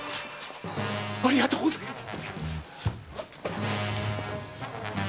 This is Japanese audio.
ありがとうございます！